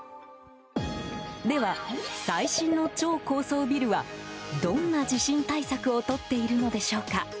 では、最新の超高層ビルはどんな地震対策をとっているのでしょうか。